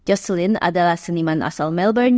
jocelyn adalah seniman asal melbourne